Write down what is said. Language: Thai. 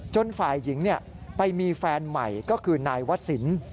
ฝ่ายหญิงไปมีแฟนใหม่ก็คือนายวศิลป์